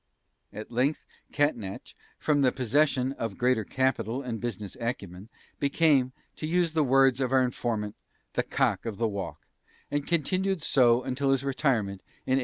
At length Catnach, from the possession of greater capital and business acumen, became to use the words of our informant "the Cock of the Walk," and continued so until his retirement in 1839.